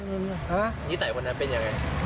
แล้วลุงเห็นปะ